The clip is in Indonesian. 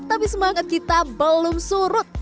tapi semangat kita belum surut